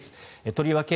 とりわけ